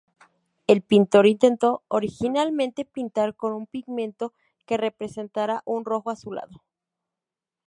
El pintor intentó originalmente pintar con un pigmento que representara un rojo azulado.